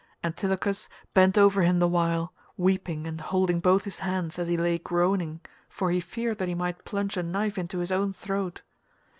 Antilochus bent over him the while, weeping and holding both his hands as he lay groaning for he feared that he might plunge a knife into his own throat.